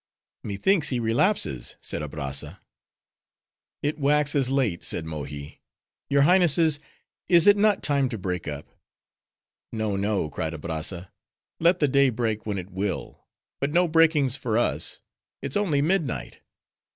"Methinks he relapses," said Abrazza. "It waxes late," said Mohi; "your Highnesses, is it not time to break up?" "No, no!", cried Abrazza; "let the day break when it will: but no breakings for us. It's only midnight.